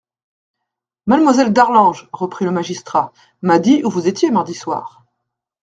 Mademoiselle d'Arlange, reprit le magistrat, m'a dit où vous étiez mardi soir.